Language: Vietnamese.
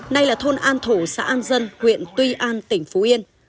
nay là thôn an thổ xã an dân huyện tuy an tỉnh phú yên